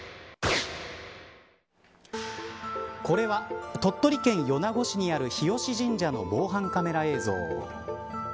これは鳥取県米子市にある日吉神社の防犯カメラ映像。